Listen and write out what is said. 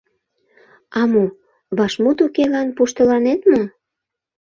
А мо, вашмут укелан пуштыланет мо?